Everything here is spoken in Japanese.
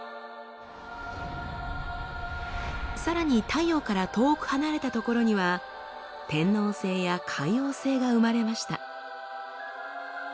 さらに太陽から遠く離れた所には天王星や海王星が生まれました。